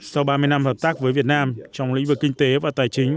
sau ba mươi năm hợp tác với việt nam trong lĩnh vực kinh tế và tài chính